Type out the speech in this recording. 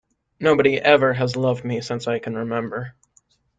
Nobody ever has loved me since I can remember.